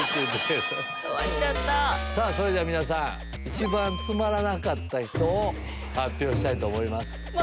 さぁそれでは皆さん一番つまらなかった人を発表したいと思います。